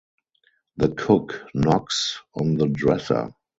The cook knocks on the dresser.